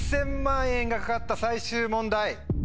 １０００万円が懸かった最終問題。